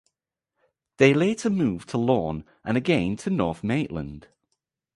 They later moved to Lorn and again to North Maitland.